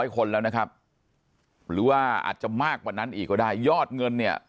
คนแล้วนะครับหรือว่าอาจจะมากกว่านั้นอีกก็ได้ยอดเงินเนี่ย